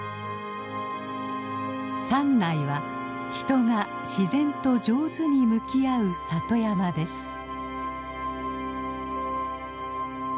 山内は人が自然と上手に向き合う里山です。